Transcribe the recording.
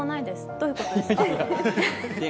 どういうことですか？